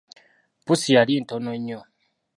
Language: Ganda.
Pussi yali ntono nnyo.